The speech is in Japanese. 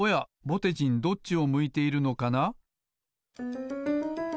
ぼてじんどっちを向いているのかな？